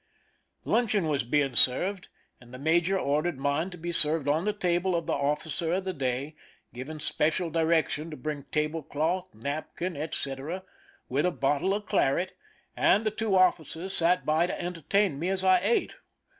Luncheon was being served, and the major ordered mine to be served on the table of the officer of the day, giving special direction to bring table cloth, napkin, etc., with a bottle of claret; and the two officers sat by to entertain me as I ate.